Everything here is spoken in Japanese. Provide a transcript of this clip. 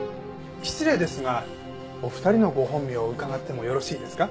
失礼ですがお二人のご本名を伺ってもよろしいですか？